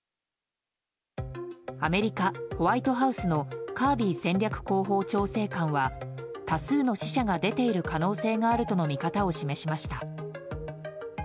アメリカ・ホワイトハウスのカービー戦略広報調整官は多数の死者が出ている可能性があるとの見方を示しました。